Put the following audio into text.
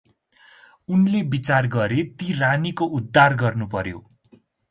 उनले विचार गरे, “ती रानीको उद्धार गर्नुपर्यो ।”